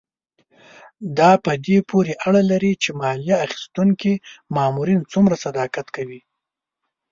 دا په دې پورې اړه لري چې مالیه اخیستونکي مامورین څومره صداقت کوي.